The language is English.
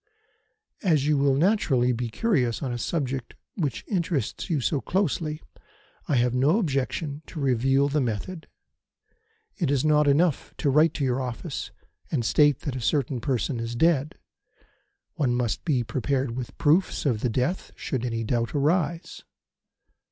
As you will naturally be curious on a subject which interests you so closely I have no objection to reveal the method. It is not enough to write to your office and state that a certain person is dead. One must be prepared with proofs of the death should any doubt arise.